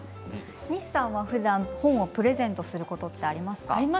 西さんはふだん、本をプレゼントすることありますか。